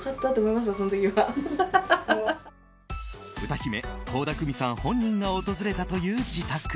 歌姫・倖田來未さん本人が訪れたという自宅。